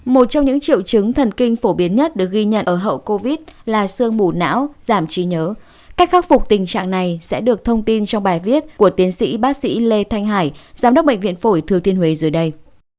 một trong những triệu chứng thần kinh phổ biến nhất được ghi nhận ở hậu covid là sương mù não giảm trí nhớ cách khắc phục tình trạng này sẽ được thông tin trong bài viết của tiến sĩ bác sĩ lê thanh hải giám đốc bệnh viện phổi thừa thiên huế dưới đây